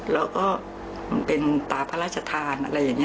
แล้วก็เป็นตาพระราชทาน